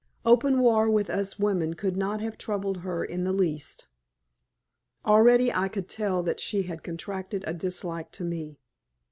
Open war with us women could not have troubled her in the least. Already I could tell that she had contracted a dislike to me.